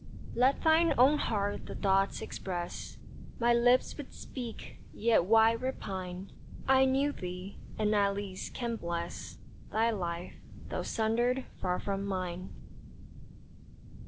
Let thine own heart the thoughts express My lips would speak. Yet why repine? I knew thee, and, at least, can bless Thy life, though sundered far from mine.